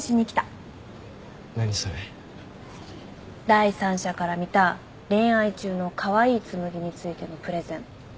第三者から見た恋愛中のカワイイ紬についてのプレゼン。